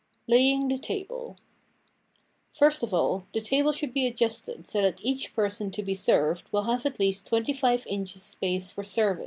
jTaying the T'able FIRST of all the table should be adjusted so that each person to be served will have at least twenty five inches space for service.